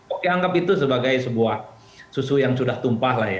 oke anggap itu sebagai sebuah susu yang sudah tumpah lah ya